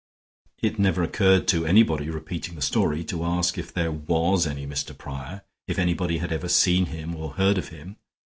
It never occurred to anybody repeating the story to ask if there was any Mr. Prior, if anybody had ever seen him or heard of him.